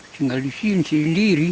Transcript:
tinggal di sini sendiri